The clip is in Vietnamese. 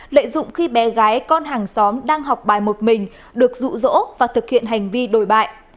lợi dụng khi bé gái con hàng xóm đang học bài một mình được rụ rỗ và thực hiện hành vi đổi bại